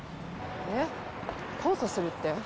えっ控訴するって？